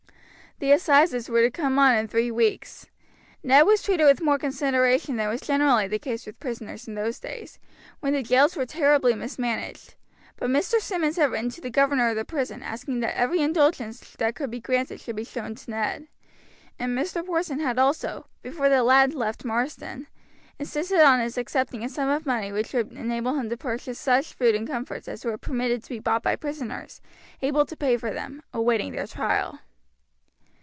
The assizes were to come on in three weeks. Ned was treated with more consideration than was generally the case with prisoners in those days, when the jails were terribly mismanaged; but Mr. Simmonds had written to the governor of the prison asking that every indulgence that could be granted should be shown to Ned, and Mr. Porson had also, before the lad left Marsden, insisted on his accepting a sum of money which would enable him to purchase such food and comforts as were permitted to be bought by prisoners, able to pay for them, awaiting their trial.